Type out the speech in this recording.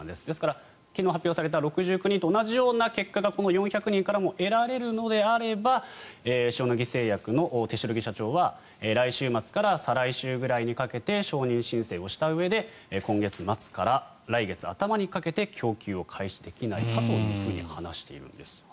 ですから昨日発表された６９人と同じような結果がこの４００人からも得られるのであれば塩野義製薬の手代木社長は来週末から再来週ぐらいにかけて承認申請をしたうえで今月末から来月頭にかけて供給を開始できないかと話しているんです。